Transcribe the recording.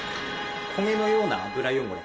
焦げのような油汚れ